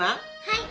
はい。